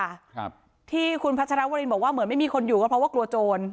ครับที่คุณพัชรวรินบอกว่าเหมือนไม่มีคนอยู่ก็เพราะว่ากลัวโจร